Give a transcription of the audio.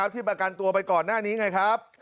ที่ประกันตัวไปก่อนหน้านี้ไงครับ